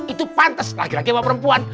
itu pantes lagi lagi sama perempuan